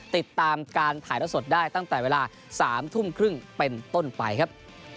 ติดตามการถ่ายรถสดได้ตั้งแต่เวลา๓๓๐เป็นต้นไปครับ